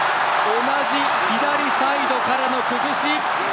同じ左サイドからの崩し！